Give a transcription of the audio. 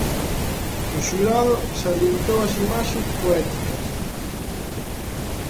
O xurado salientou as imaxes poéticas.